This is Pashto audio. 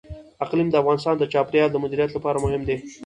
اقلیم د افغانستان د چاپیریال د مدیریت لپاره مهم دي.